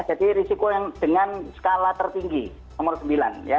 jadi risiko dengan skala tertinggi nomor sembilan ya